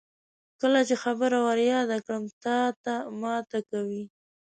کله چې خبره ور یاده کړم تاته ماته کوي.